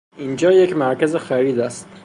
این جا یک مرکز خرید است.